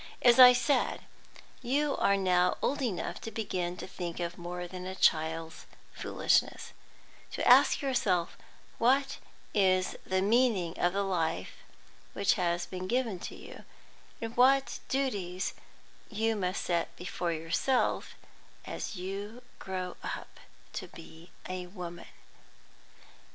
As I said, you are now old enough to begin to think of more than a child's foolishness, to ask yourself what is the meaning of the life which has been given you, what duties you must set before yourself as you grow up to be a woman.